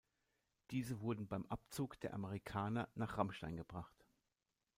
Diese wurden beim Abzug der Amerikaner nach Ramstein gebracht.